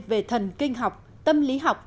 về thần kinh học tâm lý học